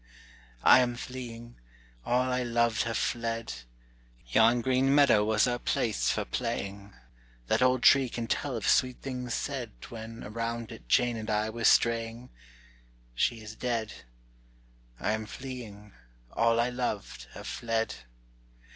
"I am fleeing, all I loved have fled. Yon green meadow was our place for playing That old tree can tell of sweet things said When around it Jane and I were straying; She is dead! I am fleeing, all I loved have fled.